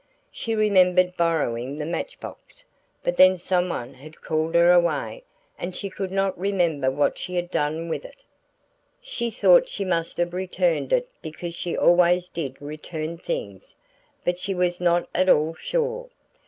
She remembered borrowing the match box, but then someone had called her away and she could not remember what she had done with it. She thought she must have returned it because she always did return things, but she was not at all sure.